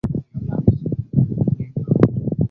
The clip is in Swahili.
Waingereza walikuja kutalii kwetu